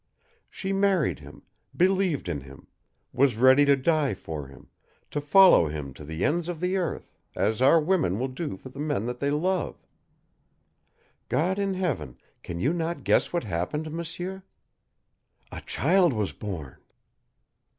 She married him, believed in him, was ready to die for him, to follow him to the ends of the earth, as our women will do for the men they love. God in Heaven, can you not guess what happened, m'sieur? A CHILD WAS BORN!"